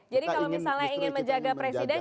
jadi kalau misalnya ingin menjaga presiden